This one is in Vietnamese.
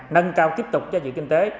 nâng cao tiếp tục gia dự kinh tế